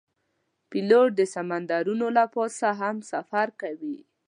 پیلوټ د سمندرونو له پاسه هم سفر کوي.